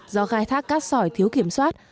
do khai thác cát sỏi thiếu kiểm soát